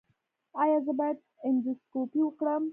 ایا زه باید اندوسکوپي وکړم؟